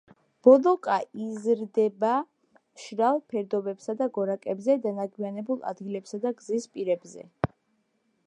ბოლოკა იზრდება მშრალ ფერდობებსა და გორაკებზე, დანაგვიანებულ ადგილებსა და გზის პირებზე.